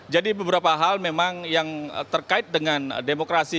jadi beberapa hal memang yang terkait dengan demokrasi